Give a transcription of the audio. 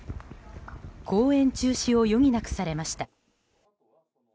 公演中止を余儀なくされました。